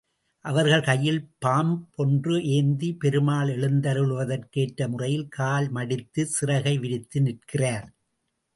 அவர் கையிலே பாம்பொன்று ஏந்தி, பெருமாள் எழுந்தருளுவதற்கு ஏற்ற முறையில் கால் மடித்து சிறகை விரித்து நிற்கிறார்.